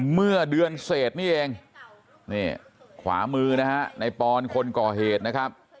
เมื่อเดือนเศษนี่เองนี่ขวามือนะฮะในปอนคนก่อเหตุนะครับ